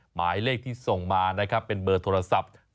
หมายเลขที่ส่งมานะครับเป็นเบอร์โทรศัพท์